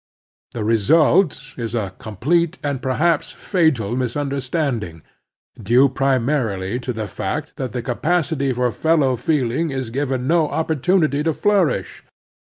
The re sult is a complete and perhaps fatal misunder standing, due primarily to the fact that the capacity for fellow feeling is given no opportunity to flotirish.